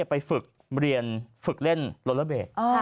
ไปฝึกเรียนฝึกเล่นโลเลอร์เบส